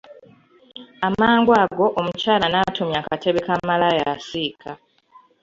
Amangu ago omukyala n'atumya akatebe ka malaaya asiika.